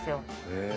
へえ。